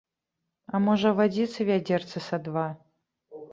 А можа, вадзіцы вядзерцы са два?